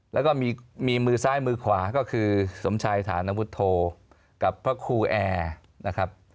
แล้วก็มีมือซ้ายมือขวาก็คือสมชายฐานวุฒโธกับพระครูแอร์นะครับ